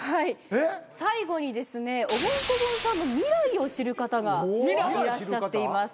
最後におぼん・こぼんさんの未来を知る方がいらっしゃっています。